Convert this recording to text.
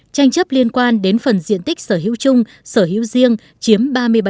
tranh chấp liên quan đến phần diện tích sở hữu chung sở hữu riêng chiếm ba mươi bảy